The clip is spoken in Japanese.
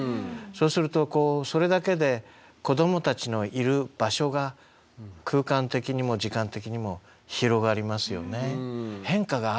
そうするとそれだけで子どもたちのいる場所が空間的にも時間的にも広がりますよね。